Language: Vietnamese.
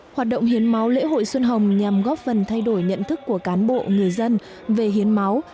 hoạt động hiến máu lễ hội xuân hồng nhằm góp phần thay đổi nhận thức của cán bộ người dân về hiến máu